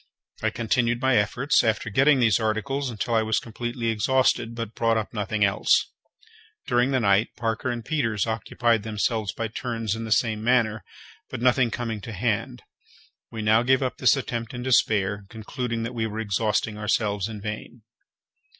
I continued my efforts, after getting these articles, until I was completely exhausted, but brought up nothing else. During the night Parker and Peters occupied themselves by turns in the same manner; but nothing coming to hand, we now gave up this attempt in despair, concluding that we were exhausting ourselves in vain.